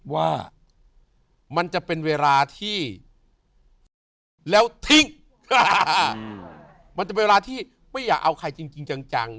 ว่ามันจะเป็นเวลาที่แล้วทิ้งมันจะเป็นเวลาที่ไม่อยากเอาใครจริงจัง